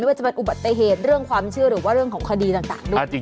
ว่าจะเป็นอุบัติเหตุเรื่องความเชื่อหรือว่าเรื่องของคดีต่างด้วย